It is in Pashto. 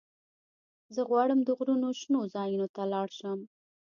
زه غواړم د غرونو شنو ځايونو ته ولاړ شم.